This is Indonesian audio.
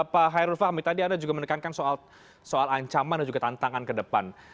pak hairul fahmi tadi anda juga menekankan soal ancaman dan juga tantangan ke depan